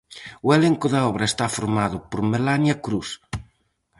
O elenco da obra está formado por Melania Cruz.